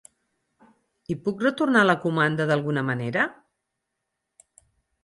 I puc retornar la comanda d'alguna manera?